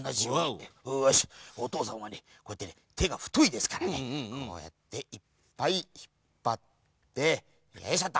おとうさんはねてがふといですからねこうやっていっぱいひっぱってよいしょと。